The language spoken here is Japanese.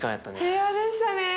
平和でしたね。